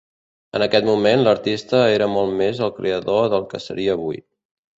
En aquest moment l'artista era molt més el creador del que seria avui.